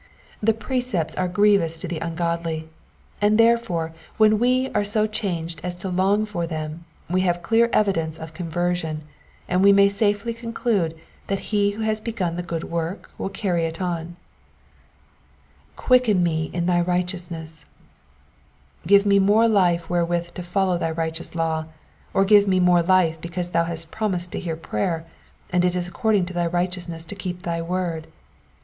The precepts are grievous to the ungodly, and therefore when we are so changed as to long for them we have clear evidence of conversion, and we may safely conclude that he who has begun the good work will carry it on. ^^Quieken me in thy righteousness,''^ Give me more life wherewith to follow thy righteous law ; or give me more life because thou hast promised to hear prayer, and it is according to thy righteousness to keep thy word.